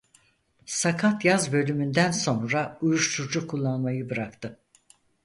Sakat Yaz bölümünden sonra uyuşturucu kullanmayı bıraktı.